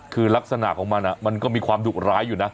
คือลักษณะของมันมันก็มีความดุร้ายอยู่นะ